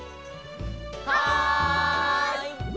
はい！